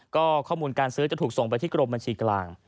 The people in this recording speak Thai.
ก็ข้อมูลการซื้อจะถูกส่งไปที่กรมบัญชีกลาง